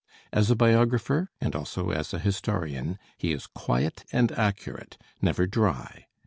As a biographer, and also as a historian, he is quiet and accurate never dry.